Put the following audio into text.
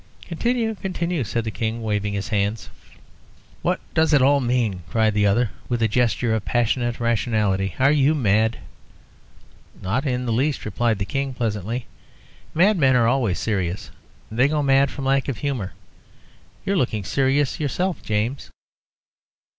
"Continue, continue," said the King, waving his hands. "What does it all mean?" cried the other, with a gesture of passionate rationality. "Are you mad?" "Not in the least," replied the King, pleasantly. "Madmen are always serious; they go mad from lack of humour. You are looking serious yourself, James."